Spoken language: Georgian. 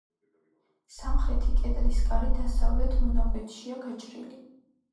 სამხრეთი კედლის კარი დასავლეთ მონაკვეთშია გაჭრილი.